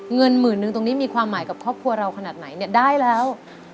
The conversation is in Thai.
เงินหมื่นนึงตรงนี้มีความหมายกับครอบครัวเราขนาดไหนเนี่ยได้แล้ว